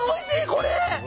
これ！